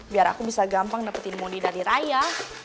biar aku bisa gampang dapetin moni dari raya